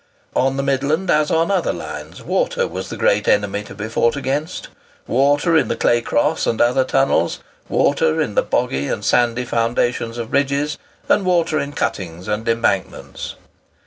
On the Midland, as on other lines, water was the great enemy to be fought against,—water in the Claycross and other tunnels,—water in the boggy or sandy foundations of bridges,—and water in cuttings and embankments.